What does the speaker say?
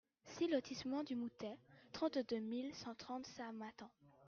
six lotissement du Moutet, trente-deux mille cent trente Samatan